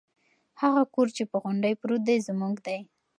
هغه کور چې په غونډۍ پروت دی زموږ دی.